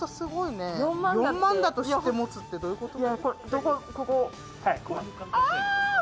４万だと知って持つってどういうこと。